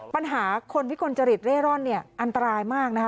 ปัญหาคนวิกลจริตเร่ร่อนเนี่ยอันตรายมากนะคะ